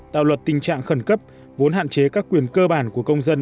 đạo luật tình trạng khẩn cấp vốn hạn chế các quyền cơ bản của công dân